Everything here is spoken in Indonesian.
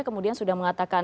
kemudian sudah mengatakan